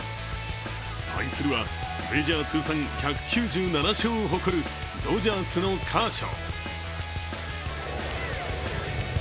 対するはメジャー通算１９７勝を誇るドジャースのカーショウ。